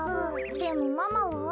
でもママは？